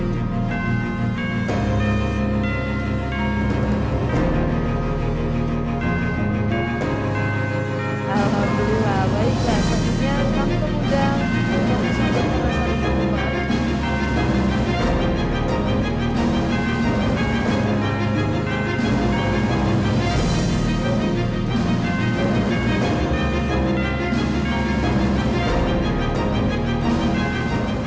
terima kasih atas segalanya